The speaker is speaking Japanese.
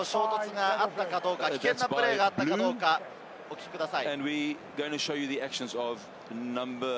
頭の衝突があったかどうか、危険なプレーがあったかどうか、お聞きください。